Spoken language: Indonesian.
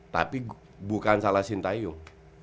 tapi bukan salah sintayung